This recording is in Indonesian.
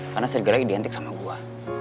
karena sergala ini dihentik sama gue